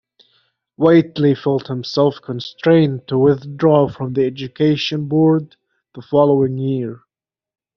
Whately felt himself constrained to withdraw from the Education Board the following year.